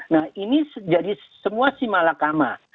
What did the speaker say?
nah ini jadi semua simalakama